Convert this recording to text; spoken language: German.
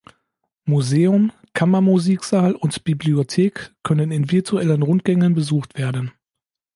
Museum, Kammermusiksaal und Bibliothek können in virtuellen Rundgängen besucht werden.